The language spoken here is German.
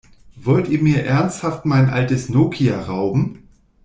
Wollt ihr mir ernsthaft mein altes Nokia rauben?